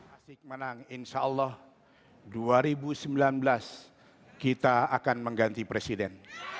asik menang insya allah dua ribu sembilan belas kita akan mengganti presiden